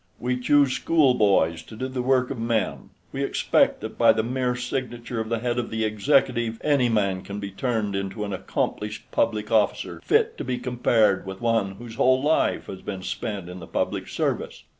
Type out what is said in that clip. We choose schoolboys to do the work of men, we expect that by the mere signature of the head of the executive any man can be turned into an accomplished public officer fit to be compared with one whose whole life has been spent in the public service.